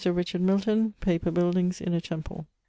Richard Milton, | Paper buildings, | Inner Temple.